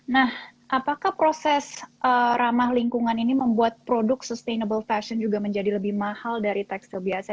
nah apakah proses ramah lingkungan ini membuat produk sustainable fashion juga menjadi lebih mahal dari tekstil biasa